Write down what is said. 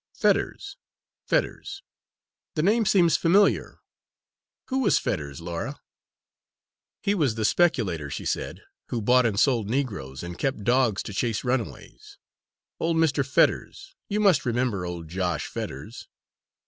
Fetters Fetters the name seems familiar. Who was Fetters, Laura?" "He was the speculator," she said, "who bought and sold negroes, and kept dogs to chase runaways; old Mr. Fetters you must remember old Josh Fetters?